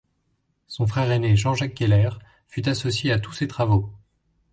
Son frère aîné Jean-Jacques Keller fut associé à tous ses travaux.